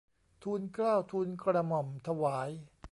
ทูลเกล้าทูลกระหม่อมถวาย